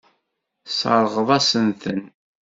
Tesseṛɣeḍ-asen-ten.